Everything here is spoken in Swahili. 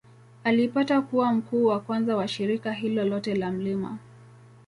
Alipata kuwa mkuu wa kwanza wa shirika hilo lote la Mt.